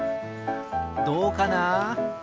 どうかな？